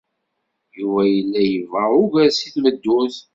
Yuba yella yebɣa ugar seg tmeddurt.